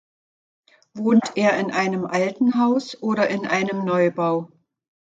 Wohnt er in einem alten Haus oder in einem Neubau?